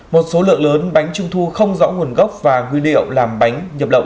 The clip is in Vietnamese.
một số lượng lớn bánh trung thu không rõ nguồn gốc và nguyên liệu làm bánh nhập lậu